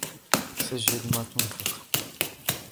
سجّل ما تنفق.